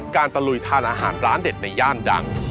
ตะลุยทานอาหารร้านเด็ดในย่านดัง